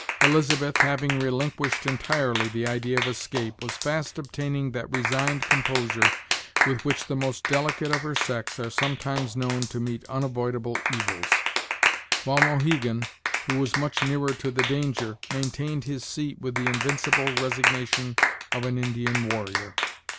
Elizabeth, having relinquished entirely the idea of escape, was fast obtaining that resigned composure with which the most delicate of her sex are sometimes known to meet unavoidable evils; while Mohegan, who was much nearer to the danger, maintained his seat with the invincible resignation of an Indian warrior.